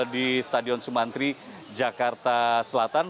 di stadion sumantri jakarta selatan